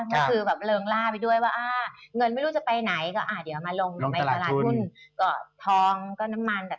ก็คือแบบเริงล่าไปด้วยว่าเงินไม่รู้จะไปไหน